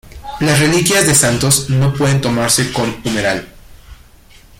Las reliquias de santos no pueden tomarse con humeral.